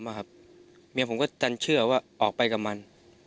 เมียผมก็จันเชื่อว่าออกไปกับมัน